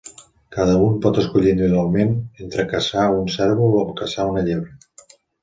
Cada un pot escollir individualment entre caçar un cérvol o caçar una llebre.